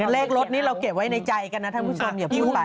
เลขรถนี้เราเก็บไว้ในใจกันนะท่านผู้ชมอย่าพูดไป